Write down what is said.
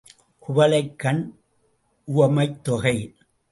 குவளைக் கண் உவமைத்தொகை.